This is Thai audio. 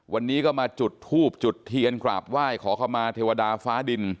วันนี้ก็มาจุดทูบจุดเทียนกราบไหว้ขอเข้ามาเทวดาฟ้าดิน